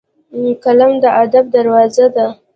قلم د ادب دروازه ده